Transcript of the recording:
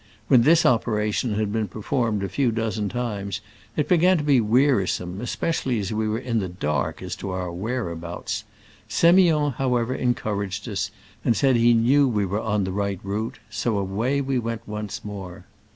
When this operation had been performed a few dozen times it began to be wearisome, especially as we were in th^ dark as to our whereabouts. Semiond, however, encouraged us, and said he knew we were on the right route ; so* away we went once more.